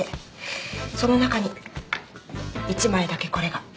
その中に１枚だけこれが。